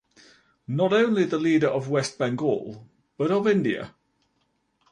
Not only the leader of West Bengal, but of India.